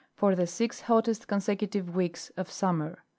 for the six hottest consecutive weeks of summer.